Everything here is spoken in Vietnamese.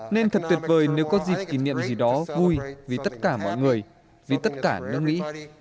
nên thật tuyệt vời nếu có dịp kỷ niệm gì đó vui vì tất cả mọi người vì tất cả nước mỹ